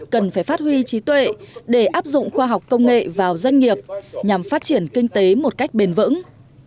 cần phải phát huy trí tuệ để áp dụng khoa học công nghệ vào doanh nghiệp nhằm phát triển kinh tế một cách bền vững